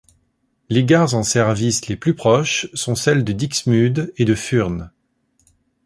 Les gares en service les plus proches sont celles de Dixmude et de Furnes.